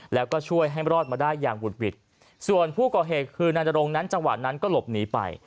แล้วก็ช่วยให้รอดมาได้อย่างบุดหวิดส่วนผู้ก่อเหตุคือนานรงค์นั้นจังหวะนั้นก็หลบหนีไป